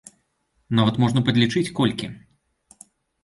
Нават можна падлічыць колькі.